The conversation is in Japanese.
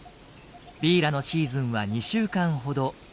ビーラのシーズンは２週間ほど。